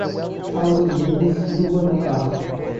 Aurineide Silva do Carmo